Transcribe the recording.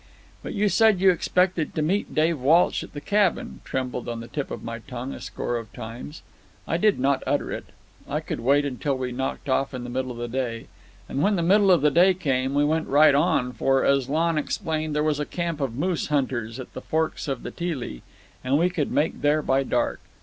"But you said you expected to meet Dave Walsh at the cabin," trembled on the tip of my tongue a score of times. I did not utter it. I could wait until we knocked off in the middle of the day. And when the middle of the day came, we went right on, for, as Lon explained, there was a camp of moose hunters at the forks of the Teelee, and we could make there by dark.